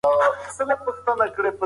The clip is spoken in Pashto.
ایا قناعت کول سخت کار دی؟